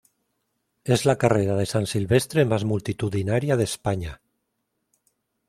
Es la carrera de San Silvestre más multitudinaria de España.